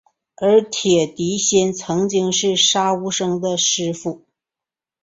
而铁笛仙曾经是杀无生的师父。